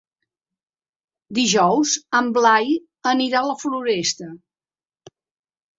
Dijous en Blai anirà a la Floresta.